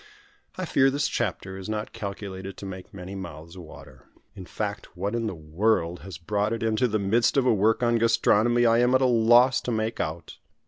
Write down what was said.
I fear this chapter is not calculated to make many mouths water. In fact what in the world has brought it into the midst of a work on gastronomy I am at a loss to make out.